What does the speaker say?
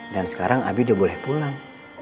dan sekarang abi udah boleh pulang